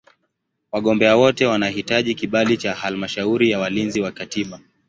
Wagombea wote wanahitaji kibali cha Halmashauri ya Walinzi wa Katiba.